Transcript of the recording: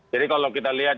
jadi kalau kita lihat